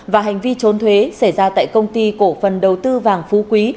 và hành vi trốn thuế xảy ra tại công ty cổ phần đầu tư vàng phú quý